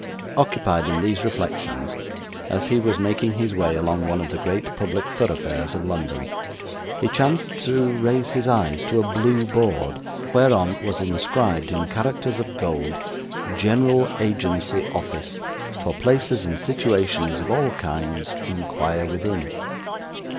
Occupied in these reflections, as he was making his way along one of the great public thoroughfares of London, he chanced to raise his eyes to a blue board, whereon was inscribed, in characters of gold, 'General Agency Office; for places and situations of all kinds inquire within.